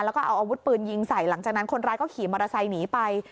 แล้วก็เอาอาวุธปืนยิงใส่หลังจากนั้นคนร้ายก็ขี่มอเตอร์ไซค์หนีไป